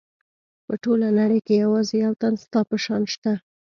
په ټوله نړۍ کې یوازې یو تن ستا په شان شته.